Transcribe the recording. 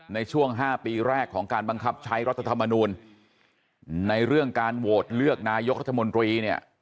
ในช่วง๕ปีแรกของการบังคับใช้รัฐธรรมนูลในเรื่องการโหวตเลือกนายกรัฐมนตรีเนี่ย